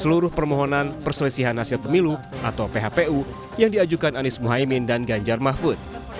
seluruh permohonan perselisihan hasil pemilu atau phpu yang diajukan anies muhaymin dan ganjar mahfud